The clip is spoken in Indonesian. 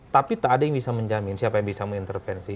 tapi tak ada yang bisa menjamin siapa yang bisa mengintervensi